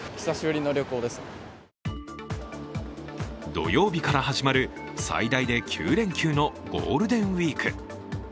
土曜日から始まる最大で９連休のゴールデンウイーク。